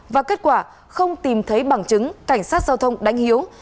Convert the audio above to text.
và kết quả không tìm thấy bằng chứng cảnh sát giao thông đánh hiếu